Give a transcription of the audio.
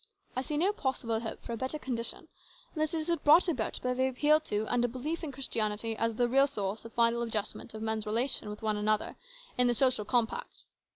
I see no possible hope for a better condition unless it is brought about by the appeal to and a belief in Christianity as the real source of final adjustment of men's relation with one another in the social compact.